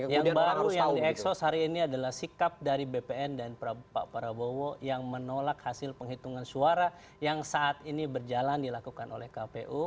yang baru yang diekspos hari ini adalah sikap dari bpn dan pak prabowo yang menolak hasil penghitungan suara yang saat ini berjalan dilakukan oleh kpu